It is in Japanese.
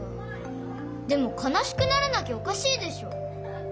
でもかなしくならなきゃおかしいでしょ。